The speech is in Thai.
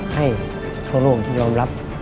ให้ทุกคนร่วมรับ